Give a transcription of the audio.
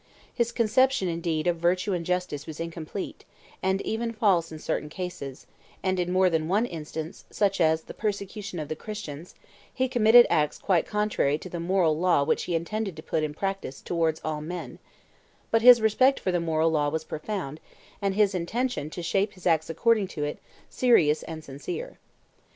His conception, indeed, of virtue and justice was incomplete, and even false in certain cases; and in more than one instance, such as the persecution of the Christians, he committed acts quite contrary to the moral law which he intended to put in practice towards all men; but his respect for the moral law was profound, and his intention to shape his acts according to it, serious and sincere.